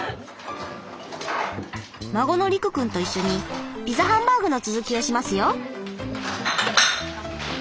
孫の莉久くんと一緒にピザハンバーグの続きをしますよ。